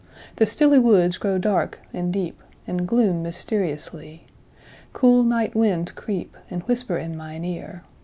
The stilly woods8Grow dark and deep, and gloom mysteriously.9Cool night winds creep, and whisper in mine ear.